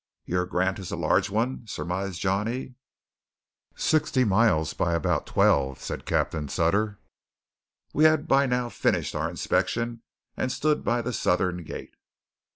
"Your grant is a large one?" surmised Johnny. "Sixty miles by about twelve," said Captain Sutter. We had by now finished our inspection, and stood by the southern gate.